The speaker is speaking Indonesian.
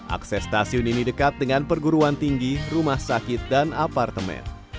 akses stasiun ini dekat dengan perguruan tinggi rumah sakit dan apartemen